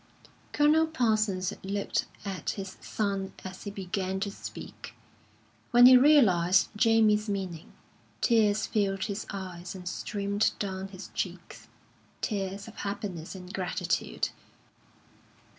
Colonel Parsons looked at his son as he began to speak. When he realised Jamie's meaning, tears filled his eyes and streamed down his cheeks tears of happiness and gratitude.